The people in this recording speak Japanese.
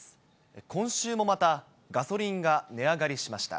今週もまたガソリンが値上がりしました。